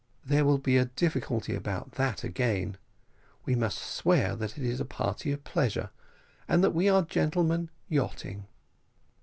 "There will be a difficulty about that again we must swear that it is a party of pleasure, and that we are gentlemen yachting."